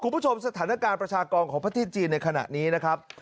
สถานการณ์ประชากรของประเทศจีนในขณะนี้นะครับ